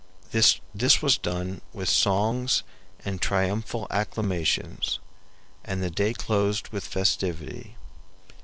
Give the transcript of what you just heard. This was done with songs and triumphal acclamations, and the day closed with festivity.